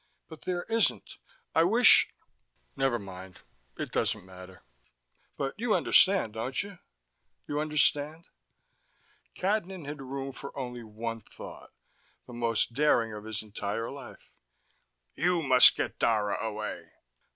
"But there isn't. I wish never mind. It doesn't matter. But you understand, don't you? You understand?" Cadnan had room for only one thought, the most daring of his entire life. "You must get Dara away."